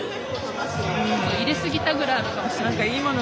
入れすぎたぐらいあるかもしれない。